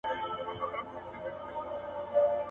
• غر غړې د اوښ عادت دئ.